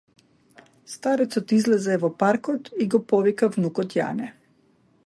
Старецот излезе во паркот и го повика внукот Јане.